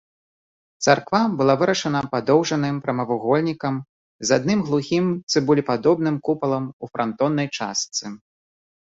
Царква была вырашана падоўжаным прамавугольнікам з адным глухім цыбулепадобным купалам у франтоннай частцы.